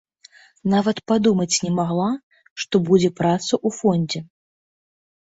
Нават падумаць не магла, што будзе праца ў фондзе.